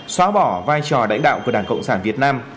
xóa bỏ vai trò lãnh đạo của đảng cộng sản việt nam